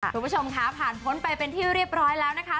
คุณผู้ชมค่ะผ่านพ้นไปเป็นที่เรียบร้อยแล้วนะคะ